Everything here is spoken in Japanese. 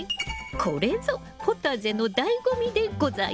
これぞポタジェのだいご味でございます。